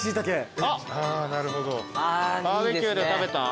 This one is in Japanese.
バーベキューで食べたやつ。